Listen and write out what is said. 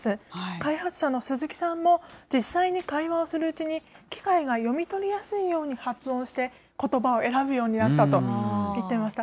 開発者の鈴木さんも、実際に会話をするうちに、機械が読み取りやすいように発音して、ことばを選ぶようになったと言ってました。